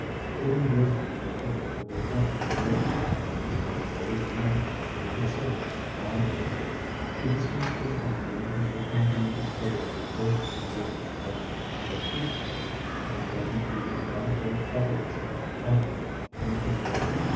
Even Brisby partook of the reflected rays, and he was very benevolently considered by her. She dismissed him only when his recounting of the stages of Bertha's journey began to fatigue her and deaden the medical efficacy of him and his like.